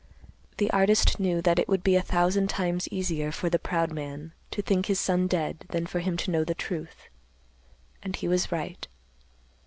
The artist knew that it would be a thousand times easier for the proud man to think his son dead than for him to know the truth, and he was right.